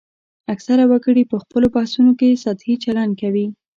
اکثره وګړي په خپلو بحثونو کې سطحي چلند کوي